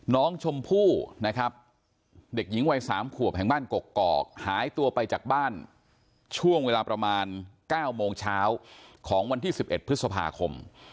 น้องชมพู่นะครับเด็กหญิงวัย๓ขวบแห่งบ้านกกอกหายตัวไปจากบ้านช่วงเวลาประมาณ๙โมงเช้าของวันที่๑๑พฤษภาคม